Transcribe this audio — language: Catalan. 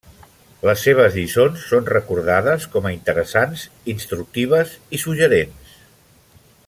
Les seves lliçons són recordades com a interessants, instructives i suggerents.